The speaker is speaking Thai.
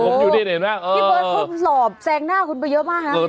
โอ้โหพี่เบิร์ดเพิ่งสอบแสงหน้าคุณไปเยอะมากครับ